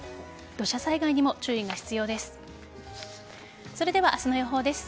土砂災害にも注意が必要です。